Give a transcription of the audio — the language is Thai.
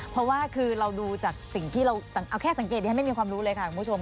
เพราะว่าคือเราดูจากสิ่งที่เราเอาแค่สังเกตดิฉันไม่มีความรู้เลยค่ะคุณผู้ชม